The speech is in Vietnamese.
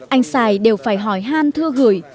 anh xài đều phải hỏi han thưa gửi